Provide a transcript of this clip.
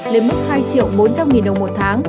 lên mức hai bốn trăm linh đồng một tháng